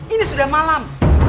ini sudah malam